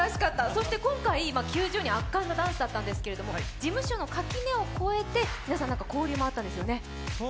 そして今回、９０人圧巻のダンスだったんですけど事務所の垣根を越えて、皆さん交流もあったんですよね。